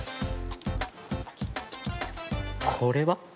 これは？